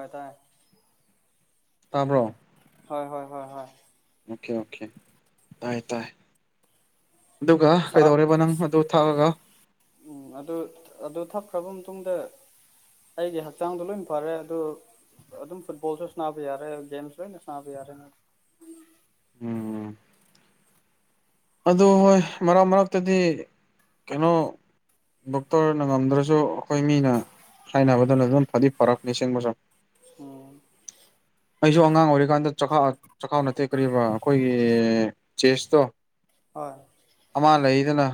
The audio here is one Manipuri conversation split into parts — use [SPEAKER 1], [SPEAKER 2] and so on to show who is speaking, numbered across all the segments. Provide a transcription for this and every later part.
[SPEAKER 1] ꯍꯣꯏ ꯇꯥꯏ
[SPEAKER 2] ꯇꯥꯕ꯭ꯔꯣ
[SPEAKER 1] ꯍꯣꯏ ꯍꯣꯏ ꯍꯣꯏ ꯍꯣꯏ
[SPEAKER 2] ꯑꯣꯀꯦ ꯑꯣꯀꯦ ꯇꯥꯏ ꯇꯥꯏ ꯑꯗꯨꯒ
[SPEAKER 1] ꯁꯥ
[SPEAKER 2] ꯀꯩꯗꯧꯔꯦꯔꯤꯕ ꯅꯪ ꯑꯗꯨ ꯊꯥꯛꯑꯒ
[SPEAKER 1] ꯎꯝ ꯑꯗꯨ ꯑꯗꯨ ꯊꯛꯈ꯭ꯔꯕ ꯃꯇꯨꯡꯗ ꯑꯩꯒꯤ ꯍꯛꯆꯥꯡꯗꯣ ꯂꯣꯏ ꯐꯔꯦ ꯑꯗꯨ ꯑꯗꯨ ꯑꯗꯨꯝ ꯐꯨꯠꯕꯣꯜꯁꯨ ꯁꯅꯥꯕ ꯌꯥꯔꯦ ꯁꯁꯨꯅ ꯁꯅꯥꯕ ꯌꯥꯔꯦ
[SPEAKER 2] ꯎꯝ ꯑꯗꯨ ꯍꯣꯏ ꯃꯔꯛ ꯃꯔꯛꯇꯗꯤ ꯀꯩꯅꯣ ꯗꯣꯛꯇꯔꯅ ꯉꯝꯗ꯭ꯔꯁꯨ ꯑꯩꯈꯣꯏ ꯃꯤꯅ ꯍꯥꯏꯅꯕꯗꯅ ꯑꯗꯨꯝ ꯐꯗꯤ ꯐꯔꯛꯄ ꯅꯤꯡ ꯆꯤꯡꯕꯁꯨ
[SPEAKER 1] ꯑꯣ
[SPEAKER 2] ꯑꯩꯁꯨ ꯑꯉꯥꯡ ꯑꯣꯏꯔꯤꯀꯥꯟꯗ ꯆꯈꯥꯎ ꯅꯠꯇꯦ ꯀꯔꯤꯕ ꯑꯩꯈꯣꯏꯒꯤ ꯆꯦꯁꯇꯣ
[SPEAKER 1] ꯍꯣꯏ
[SPEAKER 2] ꯑꯃ ꯂꯩꯗꯅ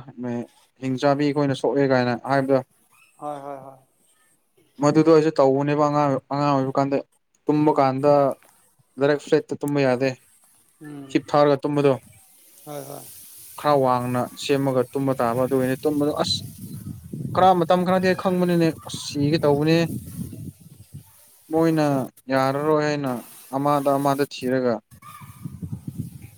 [SPEAKER 2] ꯍꯤꯡꯆꯥꯥꯕꯤ ꯑꯩꯈꯣꯏꯅ ꯁꯣꯛꯑꯦ ꯀꯥꯏꯅ ꯍꯥꯏꯕꯗ
[SPEAKER 1] ꯍꯣꯏ ꯍꯣꯏ ꯍꯣꯏ
[SPEAKER 2] ꯃꯗꯨꯗꯣ ꯑꯩꯁꯨꯦ ꯇꯧꯧꯕꯅꯦꯕ ꯑꯉꯥꯡ ꯑꯉꯥꯡ ꯑꯣꯏꯕ ꯀꯥꯟꯗ ꯇꯨꯝꯕ
[SPEAKER 1] ꯎꯝ
[SPEAKER 2] ꯀꯥꯟꯗ ꯔꯛ ꯐ꯭ꯂꯦꯠꯇ ꯇꯨꯝꯕ ꯌꯥꯗꯦ
[SPEAKER 1] ꯎꯝ
[SPEAKER 2] ꯍꯤꯞ ꯊꯥꯔꯒ ꯇꯨꯝꯕꯗꯣ
[SPEAKER 1] ꯍꯣꯏ ꯍꯣꯏ
[SPEAKER 2] ꯈꯔ ꯋꯥꯡꯅ ꯁꯦꯝꯃꯒ ꯇꯨꯝꯕ ꯇꯥꯕ ꯑꯗꯨ ꯑꯣꯏꯅꯤ ꯇꯨꯝꯕꯗꯣ ꯑꯁ ꯈꯔ ꯃꯇꯝ ꯈꯔꯗꯤ ꯈꯪꯕꯅꯤꯅꯦ ꯁꯤꯒꯦ ꯇꯧꯕꯅꯦ ꯃꯣꯏꯅ
[SPEAKER 1] ꯑꯠꯆꯥ
[SPEAKER 2] ꯌꯥꯔꯔꯣꯏ ꯍꯥꯏꯅ ꯑꯃꯗ ꯑꯃꯗ ꯊꯤꯔꯒ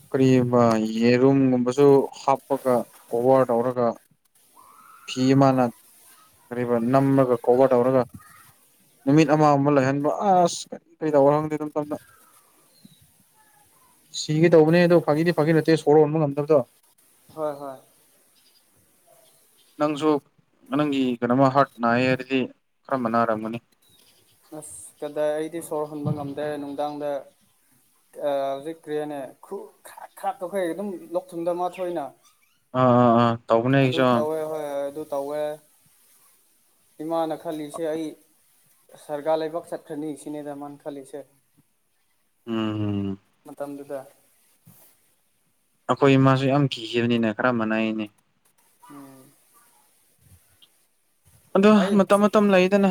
[SPEAKER 2] ꯀꯔꯤꯒꯨꯝꯕ ꯌꯦꯔꯨꯝꯒꯨꯝꯕꯁꯨ ꯍꯥꯞꯄꯒ ꯀꯣꯚꯔ ꯇꯧꯔꯒ ꯐꯤ ꯑꯃꯅ ꯀꯔꯤꯕ ꯅꯝꯃꯒ ꯀꯣꯚꯔ ꯇꯧꯔꯒ ꯅꯨꯃꯤꯠ
[SPEAKER 1] ꯎꯝ
[SPEAKER 2] ꯑꯃꯒ ꯑꯃ ꯂꯩꯍꯟꯕ ꯑꯁ ꯀꯔꯤ ꯀꯩꯗ ꯋꯥꯍꯪꯗꯦ ꯑꯗꯨꯝꯇꯝꯅ ꯁꯤꯒꯦ ꯇꯧꯕꯅꯦ ꯑꯗꯨ ꯐꯥꯒꯤꯗꯤ ꯐꯥꯒꯤ ꯅꯠꯇꯦ ꯁꯣꯔ ꯍꯣꯟꯕ ꯉꯝꯗꯕꯗꯣ
[SPEAKER 1] ꯍꯣꯏ ꯍꯣꯏ
[SPEAKER 2] ꯅꯪꯁꯨ ꯅꯪꯒꯤ ꯀꯩꯅꯣꯃ ꯍꯥꯔꯠ ꯅꯥꯏꯌꯦ ꯍꯥꯏꯔꯗꯤ ꯀꯔꯝꯕ ꯅꯥꯔꯝꯒꯅꯤ
[SPEAKER 1] ꯑꯁ ꯀꯗꯥꯏ ꯑꯩꯗꯤ ꯁꯣꯔ ꯍꯨꯣꯟꯕ ꯉꯝꯗ꯭ꯔꯦ ꯅꯨꯡꯗꯥꯡꯗ ꯍꯧꯖꯤꯛ ꯀꯔꯤꯅꯦ ꯈꯥꯛꯈꯩ ꯑꯗꯨꯝ ꯂꯧꯊꯨꯝꯗ ꯃꯥꯊꯣꯏꯅ
[SPEAKER 2] ꯑꯥ ꯑꯥ ꯑꯥ ꯇꯧꯕꯅꯦ ꯑꯩꯁꯨ
[SPEAKER 1] ꯍꯣꯏ ꯑꯗꯨ ꯇꯧꯋꯦ ꯏꯃꯥꯅ ꯈꯜꯂꯤꯁꯦ ꯑꯩ ꯁꯔꯒꯥ ꯂꯩꯕꯥꯛ ꯆꯦꯠ ꯈꯔꯅꯤ ꯏꯁꯤꯅꯦ ꯇꯔꯃꯥꯟ ꯈꯜꯂꯤꯁꯦ
[SPEAKER 2] ꯎꯝꯝ
[SPEAKER 1] ꯃꯇꯝ ꯃꯇꯝꯥꯡꯗꯨꯗ
[SPEAKER 2] ꯑꯩꯈꯣꯏ ꯏꯃꯥꯁꯨ ꯌꯥꯝ ꯀꯤꯈꯤꯕꯅꯤꯅ ꯈꯔ ꯃꯅꯥꯏꯅꯦ ꯑꯗꯣ
[SPEAKER 1] ꯑꯩ
[SPEAKER 2] ꯃꯇꯝ ꯃꯇꯝ ꯂꯩꯗꯅ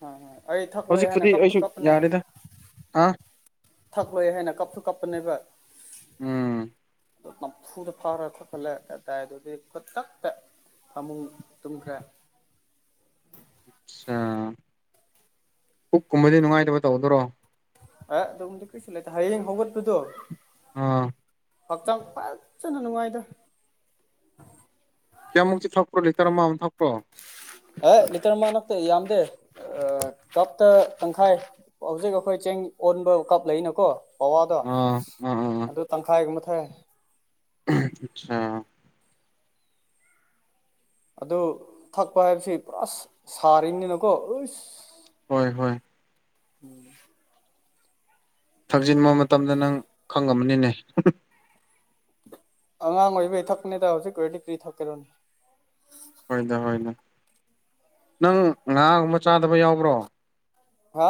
[SPEAKER 1] ꯍꯣꯏ ꯍꯣꯏ ꯑꯩ ꯊꯛꯂꯣꯏ ꯍꯥꯏꯅ
[SPEAKER 2] ꯍꯧꯖꯤꯛꯄꯨꯗꯤ
[SPEAKER 1] ꯀꯞꯁꯨ
[SPEAKER 2] ꯑꯩꯁꯨ
[SPEAKER 1] ꯀꯞꯄꯅꯦ
[SPEAKER 2] ꯌꯥꯔꯦꯗ ꯍꯥ
[SPEAKER 1] ꯊꯛꯂꯣꯏ ꯍꯥꯏꯅ ꯀꯥꯞꯊꯁꯨ ꯀꯥꯞꯄꯅꯦꯕ
[SPEAKER 2] ꯎꯝ
[SPEAKER 1] ꯅꯝꯐꯨꯗ ꯐꯥꯎꯔꯒꯠꯂꯦ ꯑꯗꯨꯗꯥꯏꯗꯨꯗꯤ ꯈꯨꯛꯇꯛꯇ ꯐꯃꯨꯡ ꯇꯨꯝꯈ꯭ꯔ
[SPEAKER 2] ꯑ ꯄꯨꯛ ꯀꯨꯝꯕꯗꯤ ꯅꯨꯡꯉꯥꯏꯇꯕ ꯇꯧꯗ꯭ꯔꯣ
[SPEAKER 1] ꯑ ꯑꯗꯨꯗ ꯀꯩꯁꯨ ꯂꯩꯦꯦ ꯍꯌꯦꯡ ꯍꯒꯠ ꯇꯨꯗꯣ
[SPEAKER 2] ꯑꯥ
[SPEAKER 1] ꯍꯛꯆꯥꯡ ꯐꯖꯅ ꯅꯨꯡꯉꯥꯏꯗ
[SPEAKER 2] ꯀꯌꯥꯃꯨꯛꯛꯇꯤ ꯊꯛꯄ꯭ꯔꯣ ꯂꯤꯇꯔ ꯑꯃꯃꯨꯛ ꯊꯛꯄ꯭ꯔꯣ
[SPEAKER 1] ꯍ ꯃꯤꯇꯔ ꯃꯥ ꯅꯛꯇꯦ ꯌꯥꯝꯗꯦ ꯀꯞꯇ ꯇꯪꯈꯥꯏ ꯍꯧꯖꯤꯛ ꯑꯩꯈꯣꯏ ꯆꯦꯡ ꯑꯣꯟꯕ ꯀꯞ ꯂꯩꯅꯀꯣ ꯄꯋꯥꯗꯣ
[SPEAKER 2] ꯑꯥ ꯑꯥ
[SPEAKER 1] ꯑꯗꯨ ꯇꯪꯈꯥꯏꯒ ꯃꯊꯥꯏ
[SPEAKER 2] ꯑꯆꯥ
[SPEAKER 1] ꯑꯗꯨ ꯊꯛꯄ ꯍꯥꯏꯕꯁꯤ ꯄꯨꯔꯥ ꯁꯥꯔꯤꯅꯤꯅꯀꯣ ꯑ
[SPEAKER 2] ꯍꯣꯏ ꯍꯣꯏ
[SPEAKER 1] ꯎꯝ
[SPEAKER 2] ꯊꯛꯖꯤꯟꯕ ꯃꯇꯝꯗ ꯅꯪ ꯈꯪꯉꯝꯃꯅꯤꯅꯦ
[SPEAKER 1] ꯑꯉꯥꯡ ꯑꯣꯏꯕꯩ ꯊꯛꯄꯅꯤꯗ ꯍꯧꯖꯤꯛꯀꯤ ꯑꯣꯏꯗꯤ ꯀ꯭ꯔꯤ ꯊꯛꯀꯔꯣꯅꯦ
[SPEAKER 2] ꯍꯣꯏꯅꯦ ꯍꯣꯏꯅꯦ ꯅꯪ ꯉꯥꯒꯨꯝꯕ ꯆꯥꯗꯕ ꯌꯥꯎꯕ꯭ꯔꯣ
[SPEAKER 1] ꯋꯥ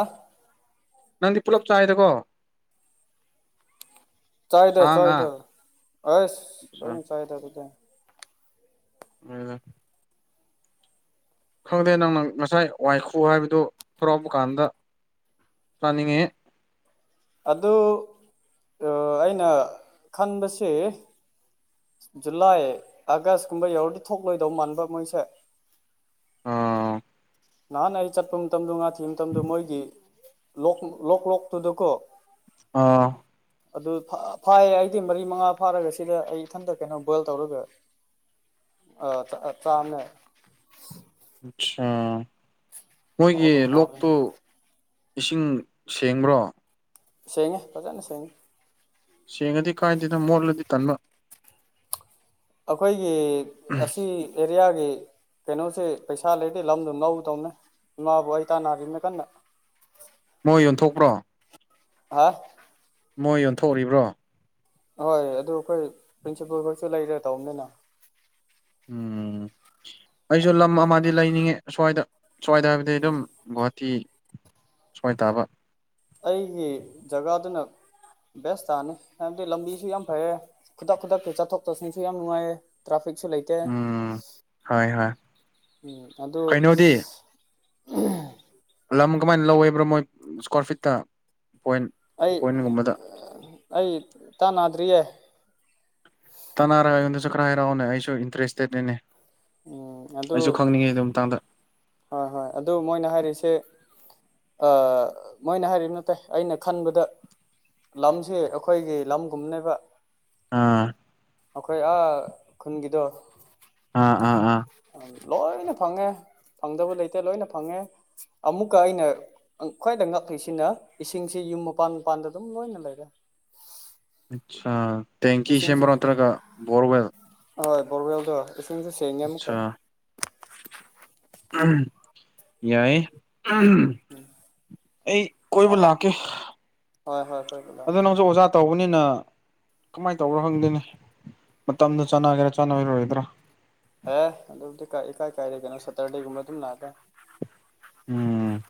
[SPEAKER 2] ꯅꯪꯗꯤ ꯄꯨꯂꯞ ꯆꯥꯏꯗꯀꯣ
[SPEAKER 1] ꯆꯥꯏꯗꯥ
[SPEAKER 2] ꯁꯥ ꯉꯥ
[SPEAKER 1] ꯆꯥꯏꯗ ꯍꯁ ꯂ ꯆꯥꯏꯗꯥ ꯇ
[SPEAKER 2] ꯍꯗ ꯈꯪꯗꯦ ꯅꯪꯅ ꯉꯁꯥꯏ ꯋꯥꯏꯈꯨ ꯍꯥꯏꯕꯗꯨ ꯊꯣꯔꯥꯎꯄ ꯀꯥꯟꯗ ꯔꯅꯤꯡꯉꯦ
[SPEAKER 1] ꯑꯗꯨ ꯑꯩꯅ ꯈꯟꯁ ꯖꯨꯂꯥꯏ ꯑꯥꯒꯁꯀꯨꯝꯕ ꯌꯧꯔꯗꯤ ꯊꯣꯛꯂꯣꯏꯗꯧ ꯃꯥꯟꯕ ꯃꯣꯏꯁꯦ
[SPEAKER 2] ꯑꯥ
[SPEAKER 1] ꯅꯍꯥꯟ ꯑꯩ ꯆꯠꯄ ꯃꯇꯝꯗꯣ ꯉꯥ ꯊꯤꯕ ꯃꯇꯝꯗꯣ ꯃꯣꯏꯒꯤ ꯂꯣꯛ ꯂꯣꯛ ꯂꯣꯛꯇꯨꯗꯀꯣ
[SPEAKER 2] ꯑꯥ
[SPEAKER 1] ꯑꯗꯨ ꯐꯥꯏꯌꯦ ꯑꯩꯗꯤ ꯃꯔꯤ ꯃꯉꯥ ꯐꯥꯔꯒ ꯁꯤꯗ ꯑꯩ ꯏꯊꯟꯇ ꯀꯩꯅꯣ ꯕꯣꯏꯜ ꯇꯧꯔꯒ ꯑ ꯆꯃꯦ
[SPEAKER 2] ꯑꯆꯥꯥ ꯃꯣꯏꯒꯤ
[SPEAKER 1] ꯑꯗꯨꯝ ꯍꯥꯎꯔꯅꯤ
[SPEAKER 2] ꯂꯣꯛꯇꯨ ꯏꯁꯤꯡ ꯁꯦꯡꯕ꯭ꯔꯣ
[SPEAKER 1] ꯁꯦꯡꯉꯦ ꯐꯖꯅ ꯁꯦꯡꯉꯦ
[SPEAKER 2] ꯁꯦꯡꯉꯗꯤ ꯀꯥꯏꯗꯦꯗ ꯃꯣꯠꯂꯗꯤ ꯇꯟꯕ
[SPEAKER 1] ꯑꯩꯈꯣꯏꯒꯤ ꯑꯁꯤ ꯑꯦꯔꯤꯌꯥꯒꯤ ꯀꯩꯅꯣꯁꯦ ꯄꯩꯁꯥ ꯂꯩꯇꯦ ꯂꯝꯗꯣ ꯉꯧ ꯇꯧꯅꯦ ꯏꯃꯥꯕꯨ ꯑꯩ ꯇꯥꯟꯅꯔꯤꯅꯦ ꯀꯟꯅ
[SPEAKER 2] ꯃꯣꯏ ꯌꯣꯟꯊꯣꯛꯄ꯭ꯔꯣ
[SPEAKER 1] ꯑ
[SPEAKER 2] ꯃꯣꯏ ꯌꯣꯟꯊꯣꯛꯔꯤꯕ꯭ꯔꯣ
[SPEAKER 1] ꯍꯣꯏ ꯑꯗꯨ ꯑꯩꯈꯣꯏ ꯄ꯭ꯔꯤꯟꯁꯤꯄꯜ ꯈꯔꯁꯨ ꯂꯩꯔ꯭ꯔꯦ ꯇꯧꯕꯅꯤꯅ
[SPEAKER 2] ꯎꯝ ꯑꯩꯁꯨ ꯂꯝ ꯑꯃꯗꯤ ꯂꯩꯅꯤꯡꯉꯦ ꯁꯁ꯭ꯋꯥꯏꯗ ꯁꯋꯥꯏ ꯇ ꯍꯥꯏꯕꯗꯤ ꯑꯗꯨꯝ ꯒꯨꯍꯥꯇꯤ ꯁ꯭ꯋꯥꯏ ꯇꯥꯕ
[SPEAKER 1] ꯑꯩꯒꯤ ꯖꯒꯥꯗꯨꯅ ꯕꯦꯁ ꯇꯥꯅꯤ ꯍꯥꯏꯕꯗꯤ ꯂꯝꯕꯤꯁꯨ ꯌꯥꯝ ꯐꯩꯌꯦ ꯈꯨꯗꯛ ꯈꯨꯗꯛꯀꯤ ꯆꯠꯊꯣꯛ ꯆꯠꯁꯤꯟꯁꯨ ꯌꯥꯝ ꯅꯨꯡꯉꯥꯏꯌꯦ ꯇ꯭ꯔꯥꯐꯤꯛ ꯁ ꯂꯩꯇꯦ
[SPEAKER 2] ꯎꯝ ꯍꯣꯏ ꯍꯣꯏ
[SPEAKER 1] ꯎ ꯑꯗꯨ
[SPEAKER 2] ꯀꯩꯅꯣꯗꯤ ꯂꯝ ꯀꯃꯥꯏꯅ ꯂꯧꯋꯦꯕ꯭ꯔꯣ ꯃꯣꯏ ꯏꯁꯀ꯭ꯋꯥꯔ ꯐꯤꯠꯇ ꯄꯣꯏꯟ
[SPEAKER 1] ꯑꯩ
[SPEAKER 2] ꯄꯣꯏꯟꯒꯨꯝꯕꯗ
[SPEAKER 1] ꯑꯩ ꯇꯅꯗ꯭ꯔꯤꯌꯦꯦ
[SPEAKER 2] ꯇꯅꯔꯒ ꯑꯩꯉꯣꯟꯗꯁꯨ ꯈꯔ ꯍꯥꯏꯔꯛꯑꯣꯅꯦ ꯑꯩꯁꯨ ꯏꯟꯇꯔꯦꯁꯇꯦꯠꯅꯤꯅꯦ
[SPEAKER 1] ꯎꯝ ꯑꯗꯨ
[SPEAKER 2] ꯑꯩꯁꯨ ꯈꯪꯅꯤꯡꯉꯤ ꯑꯗꯨ ꯃꯇꯥꯡꯗ
[SPEAKER 1] ꯍꯣꯏ ꯍꯣꯏ ꯑꯗꯨ ꯃꯣꯏꯅ ꯍꯥꯏꯔꯤꯁꯦ ꯃꯣꯏꯅ ꯍꯥꯏꯔꯤꯕ ꯅ ꯇꯥꯏ ꯑꯩꯅ ꯈꯟꯕꯗ ꯂꯝꯁꯤ ꯑꯩꯈꯣꯏꯒꯤ ꯂꯝꯒꯨꯝꯅꯦꯕ
[SPEAKER 2] ꯑꯥ
[SPEAKER 1] ꯑꯩꯈꯣꯏ ꯑꯥ ꯈꯨꯟꯒꯤꯗꯣ
[SPEAKER 2] ꯑꯥ ꯑꯥ ꯑꯥ
[SPEAKER 1] ꯂꯣꯏꯅ ꯐꯪꯉꯦ ꯐꯪꯗꯕ ꯂꯩꯇ ꯂꯣꯏꯅ ꯐꯪꯉꯦ ꯑꯃꯨꯛꯀ ꯑꯩꯅ ꯈ꯭ꯋꯥꯏꯗ ꯉꯛꯂꯤꯁꯤꯅ ꯏꯁꯤꯡꯁꯤ ꯌ ꯃꯄꯥꯟ ꯃꯄꯥꯟꯗ ꯑꯗꯨꯝ ꯂꯅ ꯂꯩꯔꯦ
[SPEAKER 2] ꯑꯆꯥ ꯇꯦꯡꯀꯤ
[SPEAKER 1] ꯏꯁꯤꯡꯁꯨ
[SPEAKER 2] ꯁꯦꯝꯕ꯭ꯔ ꯅꯠꯇ꯭ꯔꯒ ꯕꯣꯔ ꯋꯦꯜ
[SPEAKER 1] ꯍꯣꯏ ꯣꯔꯒꯦꯜꯗ ꯏꯁꯤꯡꯁꯨ ꯁ ꯌꯥꯝꯦꯝꯀ
[SPEAKER 2] ꯌꯥꯏꯦ ꯑꯩ ꯀꯣꯏꯕꯨꯂ ꯀ
[SPEAKER 1] ꯍꯣꯏ ꯍꯣꯏ ꯍꯣꯏꯒꯗꯥ
[SPEAKER 2] ꯇꯧꯕꯅꯤꯅ ꯀꯃꯥꯏꯅ ꯇꯧꯕꯣ ꯈꯪꯗꯣꯏꯅꯦ ꯃꯇꯝꯗ ꯆꯥꯟꯅꯒꯦꯔꯥ ꯆꯥꯅꯔꯣꯏꯒꯗ꯭ꯔꯥ
[SPEAKER 1] ꯑꯦ ꯑꯗꯨꯕꯨꯗꯤꯀꯥꯏ ꯀꯥꯏꯔꯦ ꯀꯩꯅꯣ ꯁꯇꯔꯗꯦꯒꯨꯝꯕ ꯑꯗꯨꯝ ꯂꯥꯛꯑꯀ
[SPEAKER 2] ꯎꯝ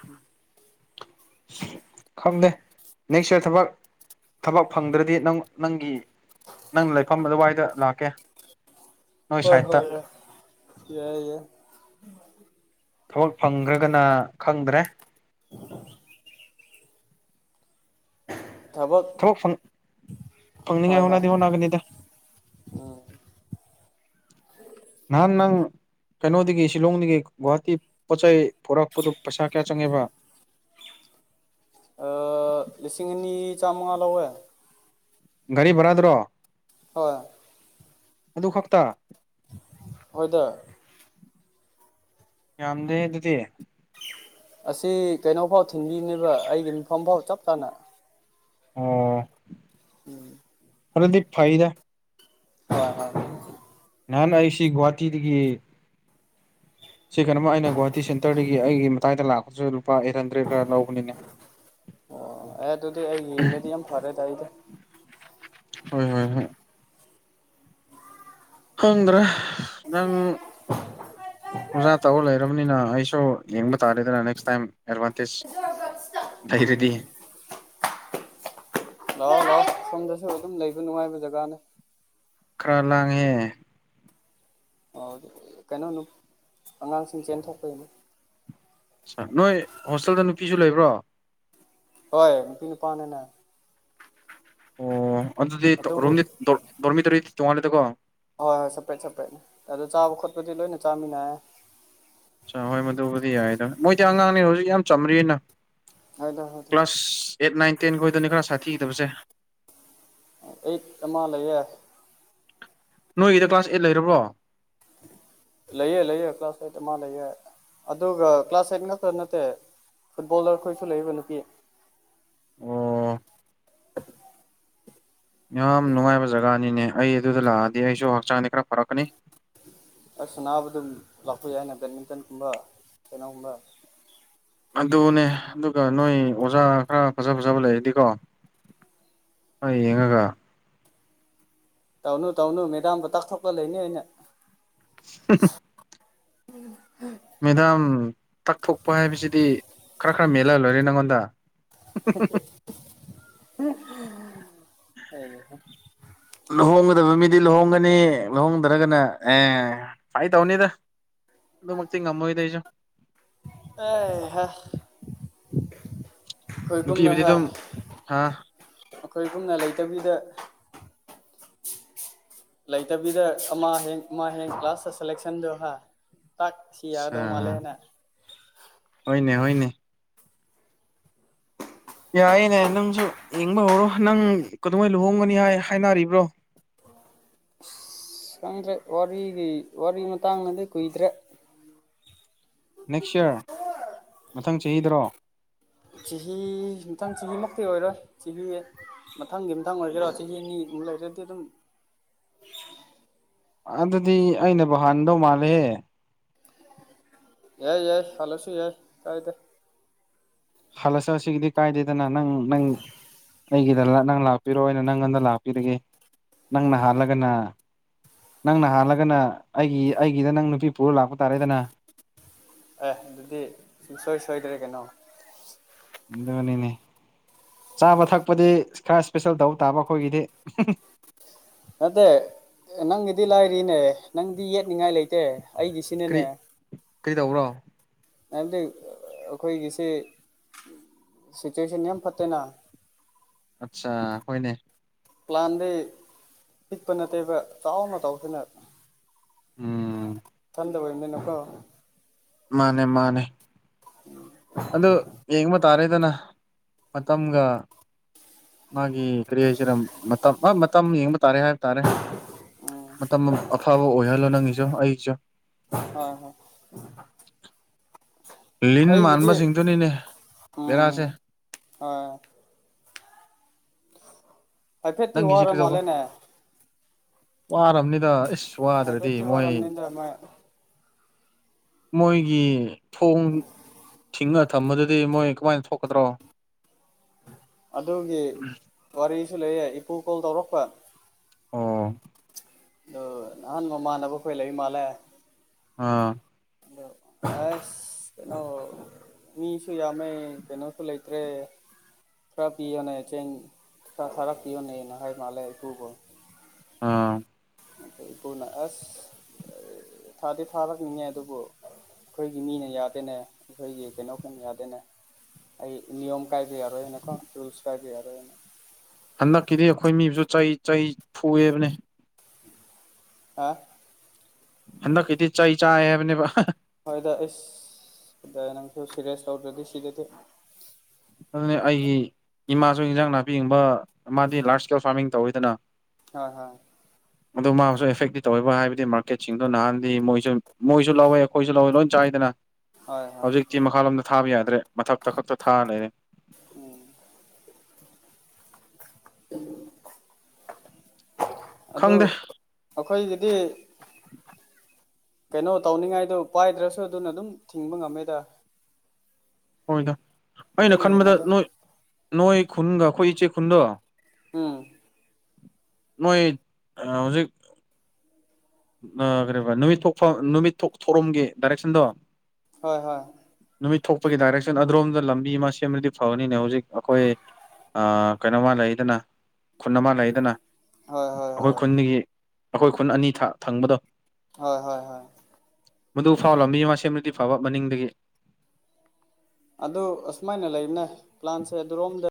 [SPEAKER 1] ꯎꯝ
[SPEAKER 2] ꯈꯪꯗꯦ ꯅꯦꯛꯁ ꯏꯌꯥꯔ ꯊꯕꯛ ꯊꯕꯛ ꯐꯪꯗ꯭ꯔꯗꯤ ꯅꯪ ꯅꯪꯒꯤ ꯅꯪ ꯂꯩꯐꯝ ꯑꯗꯨꯋꯥꯏꯗ ꯂꯥꯛꯀꯦ ꯅꯣꯏ
[SPEAKER 1] ꯍꯣꯏ
[SPEAKER 2] ꯁꯥꯏꯠꯇ
[SPEAKER 1] ꯍꯣꯏ ꯍ ꯌꯥꯏ ꯌꯥ
[SPEAKER 2] ꯊꯕꯛ ꯐꯪꯈ꯭ꯔꯒꯅ ꯈꯪꯗ꯭ꯔꯦ
[SPEAKER 1] [unintelligible]
[SPEAKER 2] ꯊꯕꯛ ꯐꯪ ꯐꯪꯅꯤꯡꯉꯥꯏ ꯍꯣꯠꯅꯗꯤ ꯍꯣꯠꯅꯒꯅꯤꯗ
[SPEAKER 1] ꯑ
[SPEAKER 2] ꯅꯪ ꯅꯪ ꯀꯩꯅꯣꯗꯒꯤ ꯁꯤꯂꯣꯡꯗꯒꯤ ꯒꯨꯍꯥꯇꯤ ꯄꯣꯠꯆ ꯆꯩ ꯄꯨꯣꯔꯛꯄꯗꯨ ꯄꯩꯁꯥ ꯀꯌꯥ ꯆꯪꯉꯦꯕ
[SPEAKER 1] ꯂꯤꯁꯤꯡ ꯑꯅꯤ ꯆꯥꯝꯃꯉꯥ ꯂꯧꯋꯦ
[SPEAKER 2] ꯒꯥꯔꯤ ꯚꯔꯥꯗ꯭ꯔꯣ
[SPEAKER 1] ꯍꯣꯏ
[SPEAKER 2] ꯑꯗꯨ ꯈꯛꯇ
[SPEAKER 1] ꯍꯣꯏꯗ
[SPEAKER 2] ꯌꯥꯗ ꯑꯗꯨꯗꯤꯌꯦ
[SPEAKER 1] ꯑꯁꯤ ꯀꯩꯅꯣꯐꯥꯎ ꯊꯤꯟꯕꯤꯅꯦꯕ ꯑꯩꯒꯤ ꯌꯐꯝ ꯐꯥꯎ ꯆꯞ ꯆꯥꯅ
[SPEAKER 2] ꯑꯣ
[SPEAKER 1] ꯎꯝ
[SPEAKER 2] ꯍꯗꯤ ꯐꯥꯏꯗ
[SPEAKER 1] ꯍ
[SPEAKER 2] ꯅꯍꯥꯟ ꯑꯩꯁꯤ ꯒꯨꯍꯥꯇꯤꯗꯒꯤ ꯁꯤ ꯀꯩꯅꯣꯃ ꯑꯩꯅ ꯒꯣꯍꯥꯇꯤ ꯁꯦꯟꯇꯔꯗꯒꯤ ꯑꯩꯒꯤ ꯃꯇꯥꯏꯗ ꯂꯥꯛꯄꯗꯨꯁꯨ ꯂꯨꯄꯥ ꯑꯩꯠ ꯍꯟꯗ꯭ꯔꯦꯗ ꯈꯔ ꯂꯧꯕꯅꯤꯅꯦ
[SPEAKER 1] ꯑꯣ ꯑꯦ ꯑꯗꯨꯗꯤ ꯑꯩ ꯌꯦꯡꯉꯗꯤ ꯌꯥꯝ ꯐꯔꯦ ꯇ ꯑꯩꯗꯤ
[SPEAKER 2] ꯍꯣꯏ ꯍꯣꯏ ꯍꯣꯏ ꯈꯪꯗ꯭ꯔꯥ ꯅꯪ ꯑꯣꯖꯥ ꯇꯥꯔ ꯂꯩꯔꯕꯅꯤꯅ ꯑꯩꯁꯨ ꯌꯦꯡꯕ ꯇꯥꯔꯦꯗꯅ ꯅꯦꯛꯁ ꯇꯥꯏꯝ ꯑꯦꯗꯚꯥꯟꯇꯦꯖ ꯐꯩꯗꯗꯤ
[SPEAKER 1] ꯎꯝ ꯂꯥꯛꯑꯣ ꯂꯥꯛꯑꯣ ꯁꯣꯝꯗꯁꯨ ꯑꯗꯨꯝ ꯂꯩꯕ ꯅꯨꯡꯉꯥꯏꯕ ꯖꯒꯥꯅꯦ
[SPEAKER 2] ꯈꯔ ꯂꯥꯡꯉꯦ
[SPEAKER 1] ꯀꯩꯅꯣꯅꯨ ꯑꯉꯥꯡꯁꯤꯡ ꯆꯦꯟꯊꯣꯛꯄꯒꯤꯅꯤ
[SPEAKER 2] ꯅꯣꯏ ꯍꯣꯁꯇꯦꯜꯗ ꯅꯨꯄꯤꯁꯨ ꯂꯩꯕ꯭ꯔꯣ
[SPEAKER 1] ꯍꯣꯏ ꯅꯨꯄꯤ ꯅꯨꯄꯥꯅꯅ
[SPEAKER 2] ꯑꯣ ꯑꯗꯨꯗꯤ
[SPEAKER 1] ꯑꯗꯨꯕꯨ
[SPEAKER 2] ꯔꯣꯝꯗꯤ ꯗꯣꯔꯃꯤ ꯇꯧꯔꯤꯗꯤ ꯇꯣꯡꯉꯜꯂꯦꯗꯀꯣ
[SPEAKER 1] ꯍꯣꯏ ꯍꯣꯏ ꯁꯄꯔꯦꯠ ꯁꯄꯔꯦꯠ ꯑꯗꯨꯗꯣ ꯆꯥꯕ ꯈꯣꯠꯄꯗꯤ ꯂꯣꯏꯅ ꯆꯥꯃꯤꯟꯅꯔꯦ
[SPEAKER 2] ꯑ ꯍꯣꯏ ꯃꯗꯨꯕꯨꯗꯤ ꯌꯥꯏꯗ ꯃꯣꯏꯗꯤ ꯑꯉꯥꯡꯅꯦ ꯍꯧꯖꯤꯛ ꯌꯥꯝ ꯆꯝꯔꯤꯅ
[SPEAKER 1] ꯍꯣꯏꯗ ꯍꯣꯏꯗ
[SPEAKER 2] ꯀ꯭ꯂꯥꯁ ꯑꯦꯠ ꯅꯥꯏꯟ ꯇꯦꯟꯒꯤ ꯑꯣꯏꯗꯣꯏꯅꯤ ꯈꯔ ꯁꯥꯊꯤꯒꯗꯕꯁꯦ
[SPEAKER 1] ꯑꯩꯠ ꯑꯃ ꯂꯩꯌꯦꯦ
[SPEAKER 2] ꯅꯣꯏꯒꯤꯗ ꯀ꯭ꯂꯥꯁ ꯑꯦꯠ ꯂꯩꯔꯕ꯭ꯔꯣ
[SPEAKER 1] ꯂꯩꯌꯦꯦ ꯂꯩꯌꯦꯦ ꯀ꯭ꯂꯥꯁ ꯑꯩꯠ ꯑꯃ ꯂꯩꯌꯦꯦ ꯑꯗꯨꯒ ꯀ꯭ꯂꯥꯁ ꯑꯩꯠ ꯉꯥꯛꯛꯇ ꯅꯠꯇꯦ ꯐꯨꯠꯕꯣꯂꯔ ꯑꯩꯈꯣꯏꯁꯨ ꯂꯩꯔꯤꯕ ꯅꯨꯄꯤ
[SPEAKER 2] ꯑꯣ ꯌꯥꯝ ꯅꯨꯡꯉꯥꯏꯕ ꯖꯒꯥꯅꯤꯅꯦ ꯑꯩ ꯑꯗꯨꯗ ꯂꯥꯛꯑꯗꯤ ꯑꯩꯁꯨ ꯍꯛꯆꯥꯡꯗꯤ ꯈꯔ ꯐꯔꯛꯀꯅꯤ
[SPEAKER 1] ꯑꯁ ꯅꯥꯕ ꯑꯗꯨꯝ ꯂꯥꯛꯄ ꯌꯥꯏꯩꯅ ꯕꯦꯠꯃꯤꯟꯇꯟꯒꯨꯝꯕ ꯀꯩꯅꯣꯒꯨꯝꯕ
[SPEAKER 2] ꯑꯗꯨꯅꯦ ꯑꯗꯨꯒ ꯅꯣꯏ ꯑꯣꯖꯥ ꯈꯔ ꯐꯖ ꯐꯖꯕ ꯂꯩꯔꯗꯤꯀꯣ ꯑ ꯌꯦꯉꯀ
[SPEAKER 1] ꯇꯧꯅꯨ ꯇꯧꯅꯨ ꯃꯦꯗꯥꯝ ꯄꯇ ꯈꯧꯀ ꯂꯩꯅꯦ ꯑꯩꯅ
[SPEAKER 2] [inaudible]
[SPEAKER 1] ꯎꯝ
[SPEAKER 2] ꯃꯦꯗꯥꯝ ꯇꯛꯊꯣꯛꯄ ꯍꯥꯏꯕꯁꯤꯗꯤ ꯈꯔ ꯈꯔ ꯃꯦꯜꯍꯜꯂꯣꯏꯔꯦ ꯅꯪꯉꯣꯟꯗ
[SPEAKER 1] ꯑꯣ
[SPEAKER 2] ꯐꯗꯕ ꯃꯤꯗꯤ ꯂꯨꯍꯣꯡꯒꯅꯤ ꯂꯨꯍꯣꯡꯗ꯭ꯔꯒꯅ ꯑꯦ ꯐꯥꯏ ꯇꯧꯅꯤꯗ ꯑꯗꯨ ꯃꯛꯇ ꯊ ꯉꯝꯃꯣꯏꯗꯦꯁ
[SPEAKER 1] ꯑꯦ ꯍ ꯑꯩꯈꯣꯏꯒꯨꯝꯅ
[SPEAKER 2] ꯅꯨꯄꯤꯕꯨꯗꯤ ꯑꯗꯨꯝ ꯍꯥ
[SPEAKER 1] ꯑꯩꯈꯣꯏꯒꯨꯝꯅ ꯂꯩꯇꯕꯤꯗ ꯂꯩꯇꯕꯤꯗ ꯑꯃ ꯍꯦꯟ ꯑꯃ ꯍꯦꯡ ꯀ꯭ꯂꯥꯁꯇ ꯁꯦꯂꯦꯛꯁꯟꯗꯣ ꯍꯥꯏ ꯇꯥꯛ
[SPEAKER 2] ꯑꯠꯁꯥ
[SPEAKER 1] ꯁꯤꯌꯥꯗꯧ ꯃꯥꯂꯦꯅ
[SPEAKER 2] ꯍꯅꯦ ꯍꯅꯦ ꯌꯥꯏꯌꯦꯦꯅꯦ ꯅꯪꯁꯨ ꯌꯦꯡꯕ ꯍꯧꯔꯣ ꯅꯪ ꯀꯗꯉꯩ ꯂꯨꯍꯣꯡꯒꯅꯤ ꯍꯥꯏ ꯍꯥꯏꯅꯔꯤꯕ꯭ꯔꯣ
[SPEAKER 1] ꯑ ꯈꯪꯗ꯭ꯔꯦ ꯋꯥꯔꯤꯒꯤ ꯋꯥꯔꯤ ꯃꯇꯥꯡꯅꯗꯤ ꯀꯨꯏꯗ꯭ꯔꯦ
[SPEAKER 2] ꯅꯦꯛꯁ ꯌꯔ ꯃꯊꯪ ꯆꯍꯤꯗꯔꯣ
[SPEAKER 1] ꯆꯍꯤ ꯃꯊꯪ ꯆꯍꯤꯃꯨꯛꯇꯤ ꯑꯣꯏꯔꯣꯏ ꯆꯍꯤ ꯃꯊꯪꯒꯤ ꯃꯊꯪ ꯑꯣꯏꯒꯦꯔꯥ ꯆꯍꯤ ꯑꯅꯤꯃꯨꯛ ꯂꯔꯗꯤ ꯑꯗꯨꯝ
[SPEAKER 2] ꯑꯗꯨꯗꯤ ꯑꯩꯅꯕꯨ ꯍꯥꯟꯗꯧ ꯃꯥꯜꯂꯦꯍꯦ
[SPEAKER 1] ꯌꯥꯏ ꯌꯥꯏ ꯐꯂꯁꯨ ꯌꯥꯏ ꯀꯥꯏ ꯇ
[SPEAKER 2] ꯍꯜꯂꯁ ꯑꯁꯤꯒꯤꯗꯤ ꯀꯥꯏꯗꯦꯗꯅ ꯅꯪ ꯅꯪ ꯑꯩꯒꯤꯗ ꯅꯪ ꯂꯥꯛꯄꯤꯔꯣ ꯑꯩꯅ ꯅꯪꯉꯣꯟꯗ ꯂꯥꯛꯄꯤꯔꯒꯦ ꯅꯪꯅ
[SPEAKER 1] ꯎꯝ
[SPEAKER 2] ꯍꯥꯜꯂꯒꯅ ꯅꯪ ꯅꯍꯜꯂꯒꯅ ꯑꯩꯒꯤ ꯑꯩꯒꯤꯗ ꯅꯪ ꯅꯨꯄꯤ ꯄꯨꯔ ꯂꯥꯛꯄ ꯇꯥꯔꯦꯗꯅ
[SPEAKER 1] ꯑꯦ ꯑꯗꯨꯗꯤ ꯁꯨꯡꯁꯣꯏ ꯁꯣꯏꯗ꯭ꯔꯦ ꯀꯩꯅꯣ
[SPEAKER 2] ꯏ ꯃꯅꯤꯅꯦ ꯆꯥꯕ ꯊꯛꯄꯗꯤ ꯈꯔ ꯏꯁꯄꯦꯁꯦꯜ ꯇꯧ ꯇꯥꯕ ꯑꯩꯈꯣꯏꯒꯤꯗꯤ
[SPEAKER 1] ꯅꯠꯇꯦ ꯅꯪꯒꯤꯗꯤ ꯂꯥꯏꯔꯤꯅꯦ ꯅꯪꯗꯤ ꯌꯦꯠꯅꯤꯉꯥꯏ ꯂꯩꯇꯦ ꯑꯩꯒꯤꯁꯤꯅꯅꯦ
[SPEAKER 2] ꯀꯩꯗꯧꯕꯔꯣ
[SPEAKER 1] ꯃꯔꯝꯗꯤ ꯑꯩꯈꯣꯏꯒꯤꯁꯦ ꯁꯤꯆꯨꯋꯦꯁꯟ ꯌꯥꯝ ꯐꯠꯇꯦꯅ
[SPEAKER 2] ꯑꯆꯥ ꯍꯣꯏꯅꯦ
[SPEAKER 1] ꯄ꯭ꯂꯥꯟꯗꯩ ꯍꯤꯛꯄ ꯅꯠꯇꯦꯕ ꯆꯥꯎꯅ ꯇ ꯆꯥꯎꯁꯤꯅ
[SPEAKER 2] ꯎꯝ
[SPEAKER 1] ꯅꯅ ꯀꯣ
[SPEAKER 2] ꯃꯥꯅꯦ ꯃꯥꯅꯦ
[SPEAKER 1] ꯎꯝ
[SPEAKER 2] ꯑꯗꯨ ꯌꯦꯡꯕ ꯇꯥꯔꯦꯗꯅ ꯃꯇꯝꯒ ꯃꯥꯒꯤ ꯀꯔꯤ ꯍꯥꯏꯁꯤꯔ ꯃꯇꯝ ꯃꯇꯝ ꯌꯦꯡꯕ ꯇꯥꯔꯦ ꯍꯥꯏꯕ ꯇꯥꯔꯦ ꯃꯇꯝ ꯑꯐꯕ ꯑꯣꯏꯍꯜꯂꯣ ꯅꯪꯒꯤꯁꯨ ꯑꯩꯁꯨ
[SPEAKER 1] ꯎꯝ
[SPEAKER 2] ꯂꯤꯟ ꯃꯥꯟꯕꯁꯤꯡꯗꯨꯅꯤꯅꯦ ꯕꯦꯔꯥꯁꯦ
[SPEAKER 1] ꯑ ꯍꯥꯏꯐꯦꯠꯇꯤ
[SPEAKER 2] ꯅꯪꯒꯤꯁꯤ
[SPEAKER 1] ꯋꯥꯔ
[SPEAKER 2] ꯀꯩꯗꯧꯕ
[SPEAKER 1] ꯃꯥꯜꯂꯦꯅꯦ
[SPEAKER 2] ꯋꯥꯔꯕꯅꯤꯗ ꯏꯁꯁ ꯋꯥꯗ꯭ꯔꯗꯤ
[SPEAKER 1] ꯍꯥꯏꯐꯦꯠꯇꯤ
[SPEAKER 2] ꯃꯣꯏ
[SPEAKER 1] ꯋꯥꯔꯝꯅꯤꯗ ꯃꯣꯏ
[SPEAKER 2] ꯃꯣꯏꯒꯤ ꯊꯣꯡ ꯁꯤꯡꯅ ꯊꯝꯕꯗꯨꯗꯤ ꯃꯣꯏ ꯀꯃꯥꯏꯅ ꯊꯣꯛꯀꯗ꯭ꯔꯣ
[SPEAKER 1] ꯑꯗꯨꯒꯤ ꯋꯥꯔꯤꯁꯨ ꯂꯩꯌꯦꯦ ꯏꯄꯨ ꯀꯣꯜ ꯇꯧꯔꯛꯄ
[SPEAKER 2] ꯑꯥ
[SPEAKER 1] ꯑꯗꯣ ꯅꯍꯥꯟ ꯃꯃꯥꯟꯅꯕ ꯍꯣꯏꯂꯛ ꯏ ꯃꯥꯥꯜꯂꯦ
[SPEAKER 2] ꯑꯥ
[SPEAKER 1] ꯣꯁꯩꯅꯣ ꯃꯤꯁꯨ ꯌꯥꯝꯃꯦ ꯀꯩꯅꯣꯁꯨ ꯂꯩꯇ꯭ꯔꯦ ꯐꯔꯥꯞꯌꯅꯤꯩ ꯆ ꯈꯔꯥꯞꯌꯅꯤꯩ ꯅꯈꯥꯏ ꯃꯥꯂꯦ ꯏꯀꯨꯒꯣ
[SPEAKER 2] ꯑꯥ
[SPEAKER 1] ꯏꯄꯕꯨꯅ ꯑꯁ ꯊꯥꯗꯤ ꯊꯥꯔꯛꯅꯤꯡꯉꯦ ꯑꯗꯨꯕꯨ ꯑꯩꯈꯣꯏꯒꯤ ꯃꯤꯅ ꯌꯥꯗꯦꯅꯦ ꯑꯩꯈꯣꯏꯒꯤ ꯀꯩꯅꯣꯈꯅ ꯌꯥꯗꯦꯅꯦ ꯑꯩ ꯅꯤꯣꯝ ꯀꯥꯏꯗ ꯌꯥꯔꯣꯏꯅꯀꯣ ꯔꯨꯜꯁ ꯀꯥꯏꯗ ꯌꯥꯔꯣꯏꯅ
[SPEAKER 2] ꯍꯟꯗꯛꯀꯤꯗꯤ ꯑꯩꯈꯣꯏ ꯃꯤꯕꯨꯁꯨ ꯆꯩ ꯆꯩ ꯐꯨꯑꯕꯅꯦ
[SPEAKER 1] ꯍꯥ
[SPEAKER 2] ꯑꯗ ꯀꯗꯤ ꯆꯏ ꯆꯥꯕꯅꯦ
[SPEAKER 1] ꯍꯣꯏꯗ ꯏꯁ ꯁꯤꯗ ꯅꯪꯁꯨ ꯁꯤꯦꯔꯤꯁ ꯇꯧꯗꯒꯦ ꯁꯤꯗꯗꯤ
[SPEAKER 2] ꯑꯗꯨꯅꯦ ꯑꯩꯒꯤ ꯏꯃꯥꯁꯨ ꯏꯟꯖꯥꯡ ꯅꯥꯄꯤꯒꯨꯝꯕ ꯃꯥꯗꯤ ꯂꯥꯔꯖ ꯏꯁꯀꯦꯜ ꯐꯥꯔꯃꯤꯡ ꯇꯧꯋꯤꯗꯅ
[SPEAKER 1] ꯍ ꯍ
[SPEAKER 2] ꯑꯗꯨ ꯃꯥꯁꯨ ꯑꯦꯐꯦꯛꯇꯤ ꯇꯧꯋꯦꯕ ꯍꯥꯏꯕꯗꯤ ꯃꯥꯔꯀꯦꯠꯁꯤꯡꯗꯣ ꯅꯍꯥꯟꯗꯤ ꯃꯣꯏꯁꯨ ꯃꯣꯏꯁꯨ ꯂꯧꯋꯦ ꯑꯩꯈꯣꯏꯁꯨ ꯂꯧꯋꯦ ꯂꯣꯏ ꯆꯥꯏꯗꯅ
[SPEAKER 1] ꯍꯣꯏ ꯍꯣꯏ
[SPEAKER 2] ꯍꯧꯖꯤꯛꯇꯤ ꯃꯈꯥꯂꯣꯝꯗ ꯊꯥꯕ ꯌꯥꯗ꯭ꯔꯦ ꯃꯊꯛꯇ ꯈꯞꯛꯇ ꯊꯥꯅꯅꯦ
[SPEAKER 1] ꯑꯗꯨ
[SPEAKER 2] ꯈꯪꯗꯦ
[SPEAKER 1] ꯑꯩꯈꯣꯏꯒꯤꯗꯤ ꯀꯩꯅꯣ ꯇꯧꯅꯤꯡꯉꯥꯏꯗꯣ ꯄꯥꯏꯗ꯭ꯔꯁꯨ ꯑꯗꯨꯅ ꯑꯗꯨꯝ ꯊꯤꯡꯕ ꯉꯝꯃꯦꯗ
[SPEAKER 2] ꯍꯣꯏꯗ ꯑꯩꯅ
[SPEAKER 1] ꯐꯖꯅ
[SPEAKER 2] ꯈꯟꯕꯗ
[SPEAKER 1] ꯍꯤꯡꯉꯗꯤ
[SPEAKER 2] ꯅꯣꯏ ꯅꯣꯏ ꯈꯨꯟꯒ ꯑꯩꯈꯣꯏ ꯏꯆꯦ ꯈꯨꯟꯗꯣ
[SPEAKER 1] ꯑꯥ
[SPEAKER 2] ꯅꯣꯏ ꯍꯧꯖꯤꯛ ꯀ ꯅꯨꯃꯤꯠ ꯅꯨꯃꯤꯠ ꯊꯧꯔꯝꯒꯤ ꯗꯥꯏꯔꯦꯛꯁꯟꯗꯣ
[SPEAKER 1] ꯍꯣꯏ ꯍꯣꯏ
[SPEAKER 2] ꯅꯨꯃꯤꯠ ꯊꯣꯛꯄꯒꯤ ꯗꯥꯏꯔꯦꯛꯁꯟ ꯑꯗꯔꯣꯝꯗ ꯂꯝꯕꯤ ꯑꯃ ꯁꯦꯝꯅꯗꯤ ꯐꯕꯅꯤꯅꯦ ꯍꯧꯖꯤꯛ ꯑꯩꯈꯣꯏ ꯑ ꯀꯩꯅꯣꯝꯃ ꯂꯩꯗꯅ ꯈꯨꯟ ꯑꯃ ꯂꯩꯗꯅ
[SPEAKER 1] ꯍꯣꯏ ꯍꯣꯏ
[SPEAKER 2] ꯑꯩꯈꯣꯏ
[SPEAKER 1] ꯍꯣꯏ
[SPEAKER 2] ꯈꯨꯟꯒꯤ ꯑꯩꯈꯣꯏ ꯈꯨꯟ ꯑꯅꯤ ꯊꯪꯕꯗꯣ
[SPEAKER 1] ꯍꯣꯏ ꯍꯣꯏ ꯍꯣꯏ
[SPEAKER 2] ꯃꯗꯨ ꯐꯥꯎ ꯂꯝꯕꯤ ꯑꯃ ꯁꯦꯝꯂꯗꯤ ꯐꯕ ꯃꯅꯤꯡꯗꯒꯤ
[SPEAKER 1] ꯑꯗꯨ ꯑꯁꯨꯃꯥꯏꯅ ꯂꯩꯕꯅꯦ ꯄ꯭ꯂꯥꯟꯁꯦ ꯑꯗꯨꯔꯣꯝꯗ